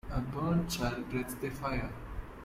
A burnt child dreads the fire.